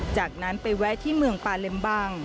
จากนั้นไปแวะที่เมืองปาเลมบัง